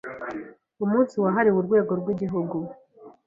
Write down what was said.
Umunsi wahariwe Urwego rw Igihugu